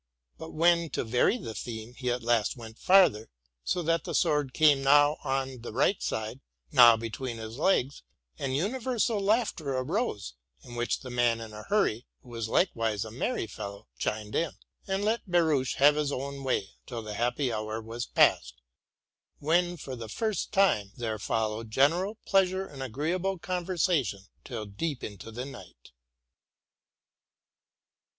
. But when, to vary the theme, he at last went farther, so that the sword came now on the right side, now between his legs, an universal laughter arose, in which the man in a hurry, who was like wise a merry fellow, chimed in, and let Behrisch have his own way till the happy hour was past, when, for the first time, there followed general pleasure and agreeable conversa tion till deep into the night.